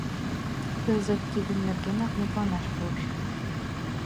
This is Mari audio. Кызыт тидын нергенак мутланаш пурышым.